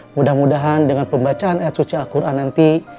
mudah mudahan dengan pembacaan ayat suci al quran nanti